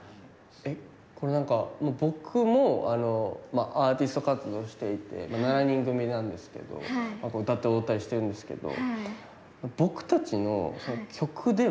これなんか僕もアーティスト活動をしていて７人組なんですけど歌って踊ったりしてるんですけど。